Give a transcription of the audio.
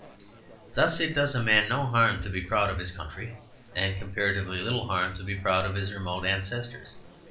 Thus it does a man no harm to be proud of his country, and comparatively little harm to be proud of his remote ancestors.